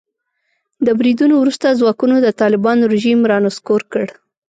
د بریدونو وروسته ځواکونو د طالبانو رژیم را نسکور کړ.